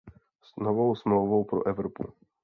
S novou smlouvou pro Evropu.